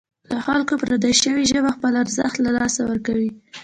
له خلکو پردۍ شوې ژبه خپل ارزښت له لاسه ورکوي.